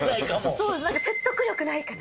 そうです、説得力ないかな。